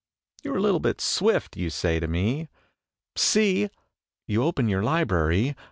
"You're a little bit swift," you say to me, "See!" You open your library.